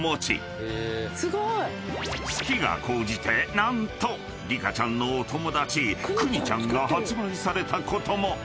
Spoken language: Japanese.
［好きが高じて何とリカちゃんのお友達クニちゃんが発売されたことも］